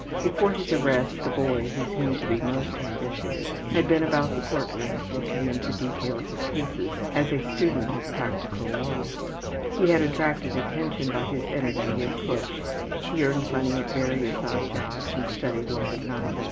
Before his arrest the boy, who seemed to be most ambitious, had been about the court rooms looking into the details of cases as a student of practical law. He had attracted attention by his energy and push; he earned money at various odd jobs and studied law at night.